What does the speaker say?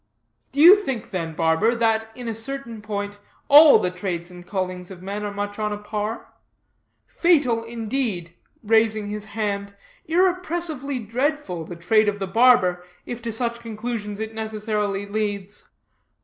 "Do you think, then, barber, that, in a certain point, all the trades and callings of men are much on a par? Fatal, indeed," raising his hand, "inexpressibly dreadful, the trade of the barber, if to such conclusions it necessarily leads.